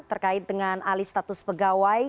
terkait dengan alih status pegawai